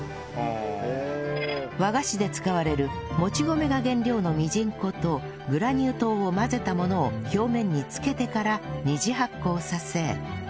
和菓子で使われるもち米が原料のみじん粉とグラニュー糖を混ぜたものを表面につけてから２次発酵させ